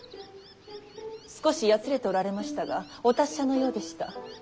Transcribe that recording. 少しやつれておられましたがお達者のようでした。